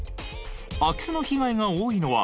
空き巣の被害が多いのは平日か？